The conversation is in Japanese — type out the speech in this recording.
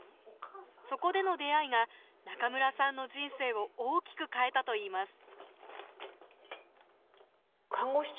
そこでの出会いが、中村さんの人生を大きく変えたといいます。